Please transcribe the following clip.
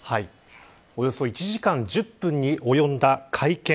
およそ１時間１０分に及んだ会見。